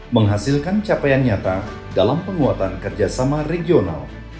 menghasilkan capaian nyata dalam penguatan kerjasama regional